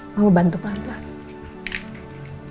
mau bantu pelan pelan